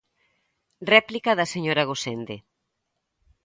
Réplica da señora Gosende.